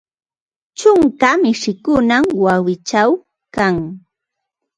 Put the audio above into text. Ćhunka mishikunam wasiićhaw kan